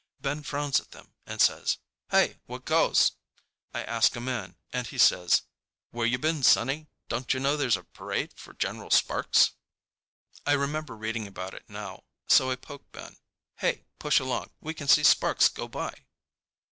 Ben frowns at them and says, "Hey, what goes?" I ask a man, and he says, "Where you been, sonny? Don'tcha know there's a parade for General Sparks?" I remember reading about it now, so I poke Ben. "Hey, push along! We can see Sparks go by!"